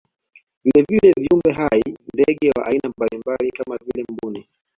Vilevile viumbe hai ndege wa aina mbalimbali kama vile mbuni